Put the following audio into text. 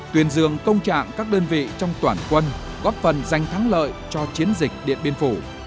tuyển dường công trạng các đơn vị trong toàn quân góp phần giành thắng lợi cho chiến dịch địa biên phủ